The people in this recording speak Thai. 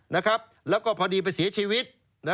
แล้วก็พอดีไปเสียชีวิต